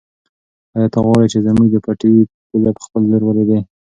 آیا ته غواړې چې زموږ د پټي پوله په خپل لور ورېبې؟